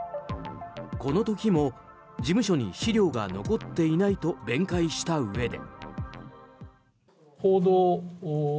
この時も、事務所に資料が残っていないと弁解したうえで。